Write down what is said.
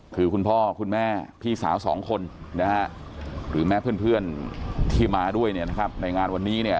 คือคุณพ่อคุณแม่พี่สาว๒คนหรือแม่เพื่อนที่มาด้วยในงานวันนี้